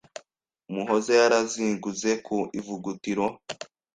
Muhoza yaraziguze ku Ivugutiro